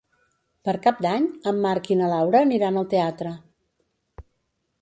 Per Cap d'Any en Marc i na Laura aniran al teatre.